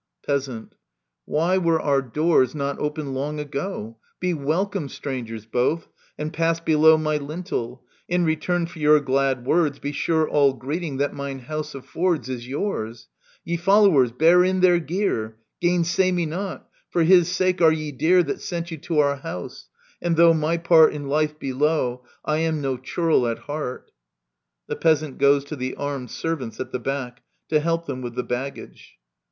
Peasant. Why were our doors not open long ago ?— Be welcome, strangers both, and pass below My lintel. In return for your glad words Be sure all greeting that mine house affords Is yours. — Ye followers, bear in their gear I — Gainsay me not ; for his sake are ye dear That sent you to our house ; and though my part In life be low, I am no churl at heart. [The Peasant goes to the Armed Servants at the backy to help them with the baggage.